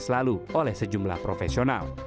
lalu oleh sejumlah profesional